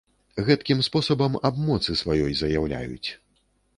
Гэткім спосабам аб моцы сваёй заяўляюць.